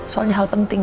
soalnya hal penting